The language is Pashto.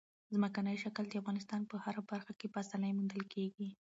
ځمکنی شکل د افغانستان په هره برخه کې په اسانۍ موندل کېږي.